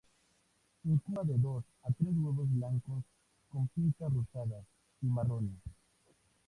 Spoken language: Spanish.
Incuba de dos a tres huevos blancos con pintas rosadas y marrones.